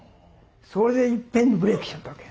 それで一遍にブレークしちゃったわけ。